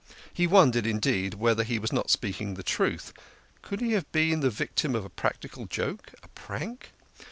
He wondered, indeed, whether he was not speaking the truth. Could he have been the victim of a practical joke, a prank?